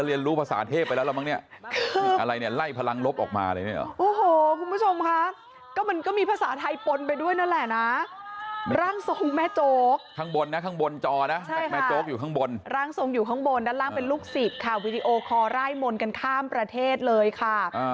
วิดีโอคอร์ร่ายมนตร์กันข้ามประเทศเลยค่ะ